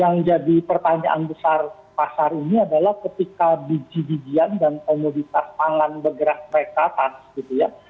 yang jadi pertanyaan besar pasar ini adalah ketika biji bijian dan komoditas pangan bergerak naik ke atas gitu ya